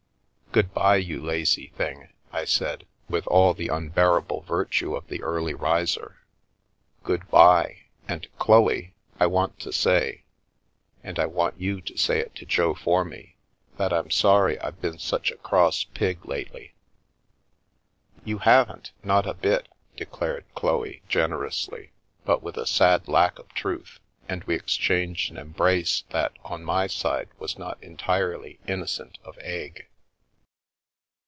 " Good bye, you lazy thing/' I said, with all the un bearable virtue of the early riser. "Good bye. And, Chloe — I want to say, and I want you to say h to Jo for me, that I'm sorry I've been such a cross pig lately." " You haven't, not a bit," declared Chloe, generously, but with a sad lack of truth, and we exchanged an em brace that on my side was not entirely innocent of egg.